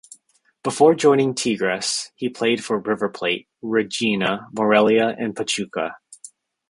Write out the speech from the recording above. Before joining Tigres, he played for River Plate, Reggina, Morelia and Pachuca.